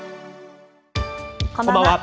こんばんは。